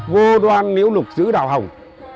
vô đoan nữ lục giữ đào hồng